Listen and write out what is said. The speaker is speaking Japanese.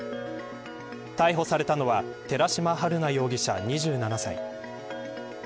逮捕されたのは寺島春奈容疑者、２７歳。